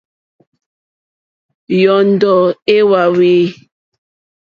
Yɔ́ndɔ̀ é wáwî.